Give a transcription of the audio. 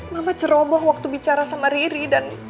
mama ceroboh waktu bicara sama riri dan